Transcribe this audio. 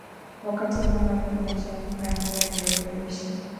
Wakati nyama inachemka menya viazi lishe